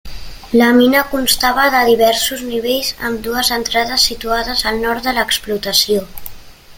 La mina constava de diversos nivells, amb dues entrades situades al nord de l'explotació.